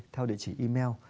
theo địa chỉ email